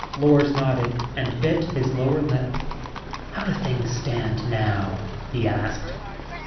Lors nodded and bit his lower lip. "How do things stand now?" He asked.